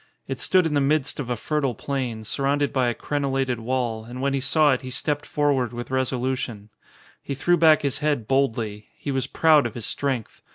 It stood in the 122 THE ST EI P LIN G midst of a fertile plain, surrounded by a crenel lated wall, and when he saw it he stepped forward with resolution. He threw back his head boldly. He was proud of his strength.